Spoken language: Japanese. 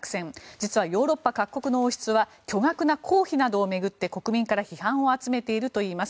実はヨーロッパ各国の王室は巨額の公費などを巡って国民から批判を集めているといいます。